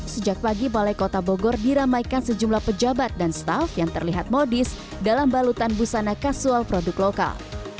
sejak pagi balai kota bogor diramaikan sejumlah pejabat dan staff yang terlihat modis dalam balutan busana kasual produk lokal